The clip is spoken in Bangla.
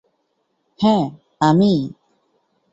হ্যাঁ, আমিই।